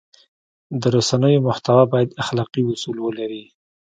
د رسنیو محتوا باید اخلاقي اصول ولري.